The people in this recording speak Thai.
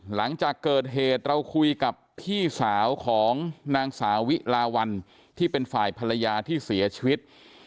หลังจากเกิดเหตุเราคุยกับพี่สาวของนางสาวิลาวันที่เป็นฝ่ายภรรยาที่เสียชีวิต